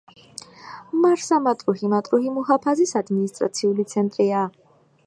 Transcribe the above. მარსა-მატრუჰი მატრუჰი მუჰაფაზის ადმინისტრაციული ცენტრია.